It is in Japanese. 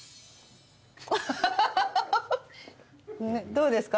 どうですか？